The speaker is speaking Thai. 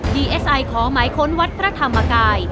ดีเอสไอขอหมายค้นวัดพระธรรมกาย